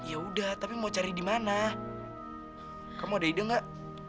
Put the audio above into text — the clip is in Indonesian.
ya udah tapi mau cari di mana kamu ada ide gak